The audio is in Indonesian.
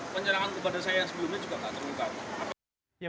penyerangan kepada saya yang sebelumnya juga tidak terungkap